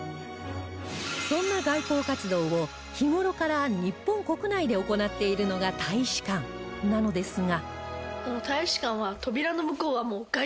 そんな外交活動を日頃から日本国内で行っているのが大使館なのですが